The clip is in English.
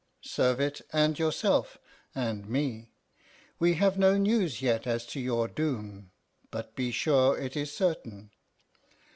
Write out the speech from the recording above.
Serve it, and yourself and me. We have no news yet as to your doom, but be sure it is certain.